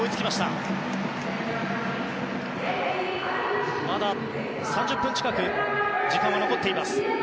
まだ３０分近く時間は残っています。